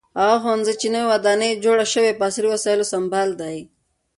هغه ښوونځی چې نوې ودانۍ یې جوړه شوې په عصري وسایلو سمبال دی.